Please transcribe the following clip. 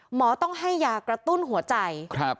หมอต้องให้ยากระตุ้นหัวใจ